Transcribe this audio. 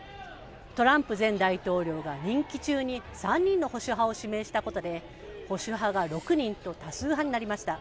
トランプ前大統領が任期中に３人の保守派を指名したことで、保守派が６人と多数派になりました。